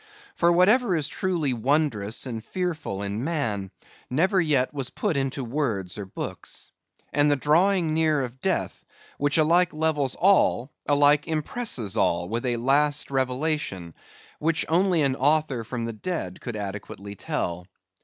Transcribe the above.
For whatever is truly wondrous and fearful in man, never yet was put into words or books. And the drawing near of Death, which alike levels all, alike impresses all with a last revelation, which only an author from the dead could adequately tell.